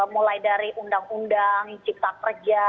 mulai dari undang undang cipta kerja